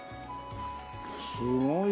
すごい。